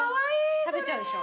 食べちゃうでしょ？